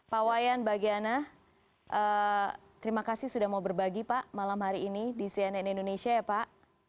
pak wayan bagi anak terima kasih sudah mau berbagi pak malam hari ini di cnn indonesia ya pak